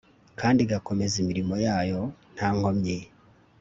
kandi igakomeza imirimo yayo nta nkomyi